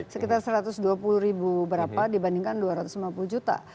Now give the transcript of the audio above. sekitar satu ratus dua puluh ribu berapa dibandingkan dua ratus lima puluh juta